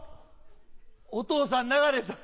お父さん流れた。